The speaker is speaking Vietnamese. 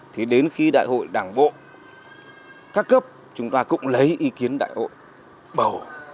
thì đến khi đại hội đảng bộ các cấp chúng ta cũng lấy ý kiến đại hội bầu